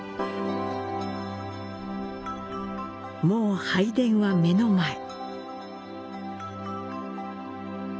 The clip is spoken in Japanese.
もう拝殿は目の前。